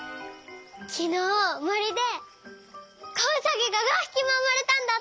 きのうもりでこうさぎが５ひきもうまれたんだって！